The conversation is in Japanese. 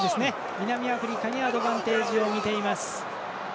南アフリカにアドバンテージをみています。